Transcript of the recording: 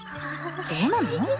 そうなの？